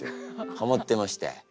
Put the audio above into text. ハマってまして。